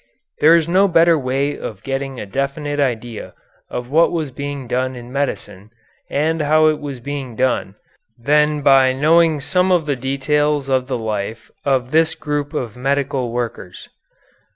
There is no better way of getting a definite idea of what was being done in medicine, and how it was being done, than by knowing some of the details of the life of this group of medical workers.